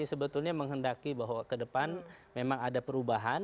sebetulnya menghendaki bahwa ke depan memang ada perubahan